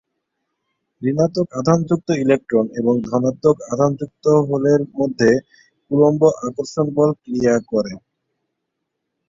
ঋণাত্মক আধানযুক্ত ইলেকট্রন এবং ধনাত্মক আধানযুক্ত হোলের মধ্যে ‘কুলম্ব আকর্ষণ বল’ ক্রিয়া করে।